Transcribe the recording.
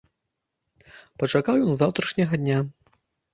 Пачакаў ён заўтрашняга дня.